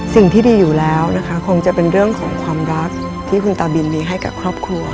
สิ่งที่ดีอยู่แล้วนะคะคงจะเป็นเรื่องของความรักที่คุณตาบินมีให้กับครอบครัว